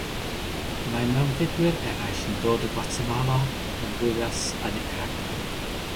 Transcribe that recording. Mae mewnfudwyr eraill yn dod o Guatemala, Honduras a Nicaragua.